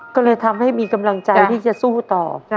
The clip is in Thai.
ก็เลยทำให้มีกำลังใจที่จะสู้ต่อ